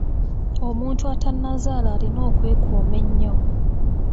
Omuntu atannazaala alina okwekuuma ennyo.